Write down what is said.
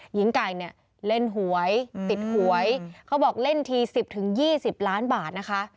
หญิงไก่เนี่ยเล่นหวยติดหวยเขาบอกเล่นที๑๐๒๐ล้านบาทนะคะ